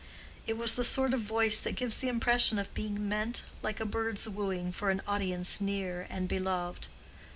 It was the sort of voice that gives the impression of being meant like a bird's wooing for an audience near and beloved.